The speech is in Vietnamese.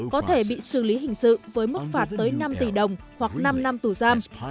có thể bị xử lý hình sự với mức phạt tới năm tỷ đồng hoặc năm năm tù giam